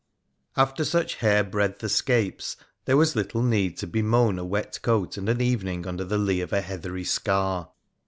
••••• After such hairbreadth escapes there was little need to be moan a wet coat and an evening under the lee of a heathery scar.